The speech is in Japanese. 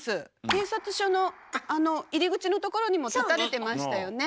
警察署のあの入り口のところにも立たれてましたよね。